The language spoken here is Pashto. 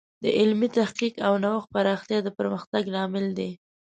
د علمي تحقیق او نوښت پراختیا د پرمختګ لامل دی.